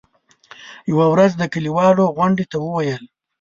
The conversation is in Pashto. يوه ورځ د کلیوالو غونډې ته وویل.